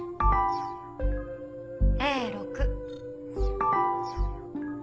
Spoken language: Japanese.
Ａ６。